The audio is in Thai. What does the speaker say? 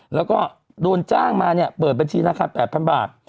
แล้วก็โดนจ้างมาเนี่ยเปิดบัญชีราคา๘๐๐บาท